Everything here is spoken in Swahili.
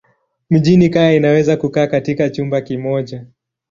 Mjini kaya inaweza kukaa katika chumba kimoja.